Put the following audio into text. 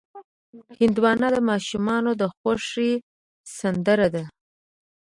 هندوانه د ماشومانو د خوښې سندره ده.